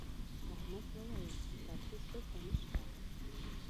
احمد وويل: پرتوگ دلته نشته.